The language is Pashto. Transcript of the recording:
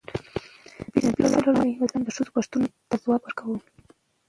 نبي ﷺ د ښځو پوښتنو ته ځواب ورکول.